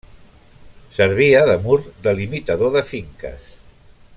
Servia de mur delimitador de finques.